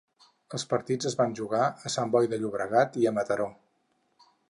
Els partits es van jugar a Sant Boi de Llobregat i a Mataró.